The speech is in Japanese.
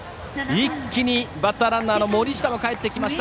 一気にバッターランナーの森下もかえってきました。